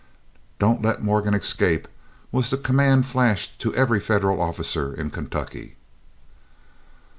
"Don't let Morgan escape," was the command flashed to every Federal officer in Kentucky.